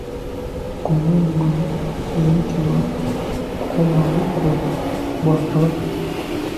Ku mulundi guno teyayitibwa kukomawo ku Bwakabaka.